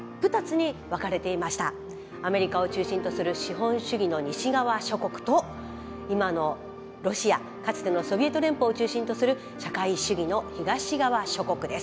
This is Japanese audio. アメリカを中心とする資本主義の西側諸国と今のロシアかつてのソビエト連邦を中心とする社会主義の東側諸国です。